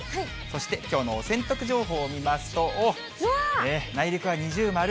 そして、きょうのお洗濯情報を見ますと、おっ、内陸は二重丸。